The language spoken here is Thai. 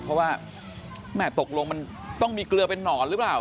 เพราะว่าแม่ตกลงมันต้องมีเกลือเป็นนอนหรือเปล่า